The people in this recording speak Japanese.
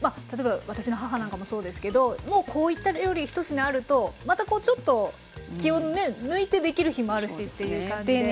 例えば私の母なんかもそうですけどもうこういった料理一品あるとまたこうちょっと気を抜いてできる日もあるしっていう感じで。